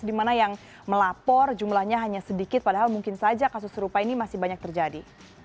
di mana yang melapor jumlahnya hanya sedikit padahal mungkin saja kasus serupa ini masih banyak terjadi